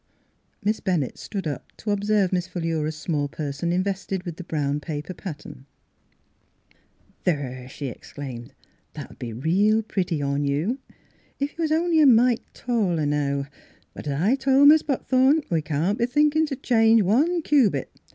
'^ Miss Bennett stood up to observe Miss Philura's small person invested with the brown paper pattern. Miss Philura's Wedding Gown "There!" she exclaimed, "that'll be real pretty on you. Ef you was only a mite taller now; but as I toP Mis' Buck thorn, we can't b' thinkin' change one cubic.